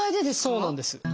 そうなんです。